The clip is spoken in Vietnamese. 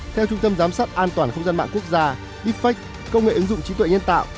theo trung tâm giám sát an toàn không gian mạng quốc gia deepfake công nghệ ứng dụng trí tuệ nhân tạo